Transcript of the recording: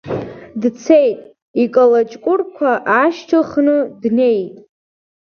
Дцеит, икалаҷкәырқәа аашьҭыхны днеит.